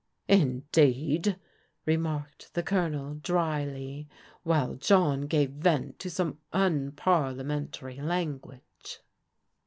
"Indeed!" remarked the G)lonel dryly, while John gave vent to some unparliamentary language.